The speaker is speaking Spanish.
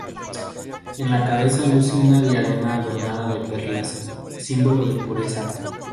En la cabeza luce una diadema adornada de perlas, símbolo de pureza.